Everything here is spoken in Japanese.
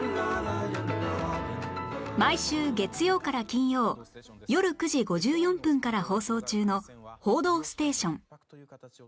毎週月曜から金曜よる９時５４分から放送中の『報道ステーション』